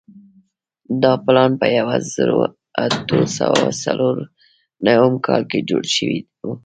دا پلان په یوه زرو اتو سوو څلور نوېم کال کې جوړ شوی وو.